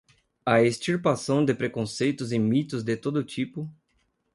a extirpação de preconceitos e mitos de todo tipo